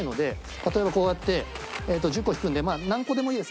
例えばこうやって１０個引くんで何個でもいいです。